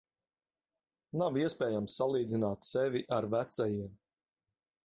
Nav iespējams salīdzināt sevi ar vecajiem.